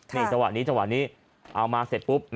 จังหวัดนี้จังหวัดนี้เอามาเสร็จปุ๊บ